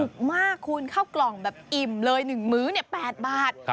มากคุณเข้ากล่องแบบอิ่มเลย๑มื้อ๘บาท